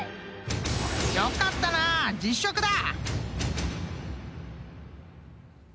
［よかったな実食だ！］